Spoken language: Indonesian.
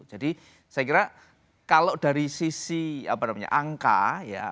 jadi saya kira kalau dari sisi apa namanya angka ya